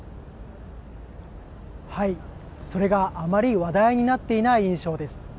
それがあまり話題になっていない印象です。